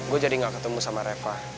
gue jadi gak ketemu sama reva